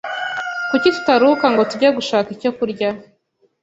Kuki tutaruhuka ngo tujye gushaka icyo kurya?